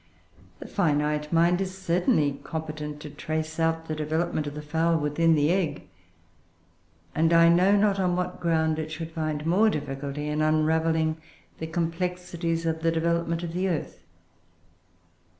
The finite mind is certainly competent to trace out the development of the fowl within the egg; and I know not on what ground it should find more difficulty in unravelling the complexities Of the development of the earth.